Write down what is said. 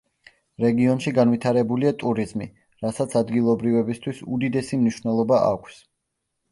რეგიონში განვითარებულია ტურიზმი, რასაც ადგილობრივებისთვის უდიდესი მნიშვნელობა აქვს.